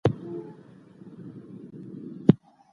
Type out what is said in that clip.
د جبر حالت د زغملو نه دی.